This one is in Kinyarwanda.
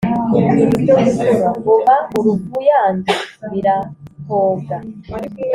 Buba uruvuyange birahoga!